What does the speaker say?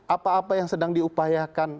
apa apa yang sedang diupayakan